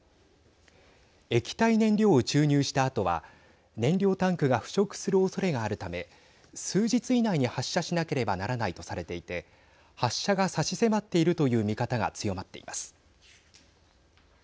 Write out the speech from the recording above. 液体燃料を注入したあとは燃料タンクが腐食するおそれがあるため数日以内に発射しなければならないとされていて発射が差し迫っているという見方が強まっています。